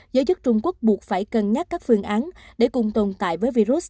giới chức trung quốc buộc phải cân nhắc các phương án để cùng tồn tại với virus